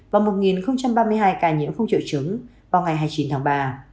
và một ba mươi hai ca nhiễm không triệu chứng